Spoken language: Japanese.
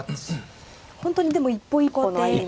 本当にでも一歩一歩の歩み。